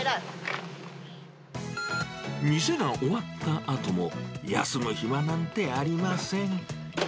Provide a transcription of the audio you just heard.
店が終わったあとも、休むひまなんてありません。